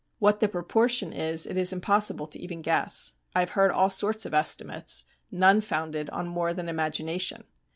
What the proportion is it is impossible to even guess. I have heard all sorts of estimates, none founded on more than imagination.